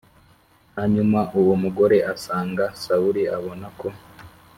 Hanyuma uwo mugore asanga Sawuli abona ko